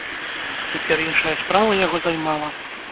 Цяпер іншая справа яго займала.